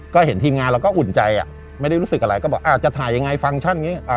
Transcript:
ก็เห็นทีมงานเราก็อุ่นใจอ่ะไม่ได้รู้สึกอะไรก็บอกอ่าจะถ่ายยังไงฟังก์อย่างนี้